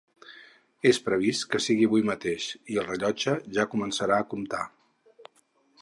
És previst que sigui avui mateix, i el rellotge ja començarà a comptar.